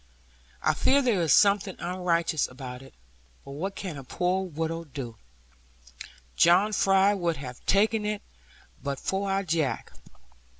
I fear there is something unrighteous about it. But what can a poor widow do? John Fry would have taken it, but for our Jack.